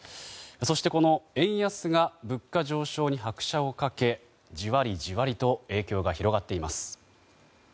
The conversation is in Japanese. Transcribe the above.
そして、この円安が物価上昇に拍車を掛けじわりじわりと影響が広がっています。